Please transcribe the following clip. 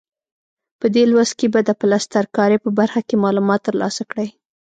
په دې لوست کې به د پلستر کارۍ په برخه کې معلومات ترلاسه کړئ.